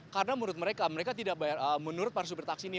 karena menurut mereka mereka tidak bayar menurut para super taksi ini